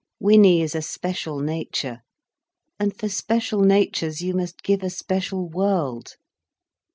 Winnie is a special nature, and for special natures you must give a special world."